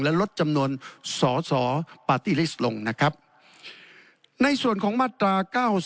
และลดจำนวนสอสอปาร์ตี้ลิสต์ลงนะครับในส่วนของมาตรา๙๒